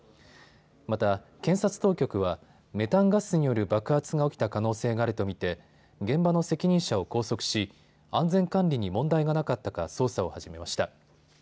また検察当局はメタンガスによる爆発が起きた可能性があると見て現場の責任者を拘束し安全管理に問題がなかったか捜査を始めました。